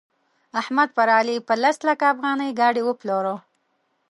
احمد پر علي په لس لکه افغانۍ ګاډي وپلوره.